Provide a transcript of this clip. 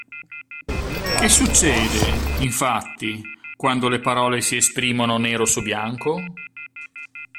Che succede, infatti, quando le parole si esprimono nero su bianco?